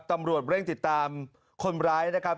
ตำรวจเร่งติดตามคนร้ายนะครับ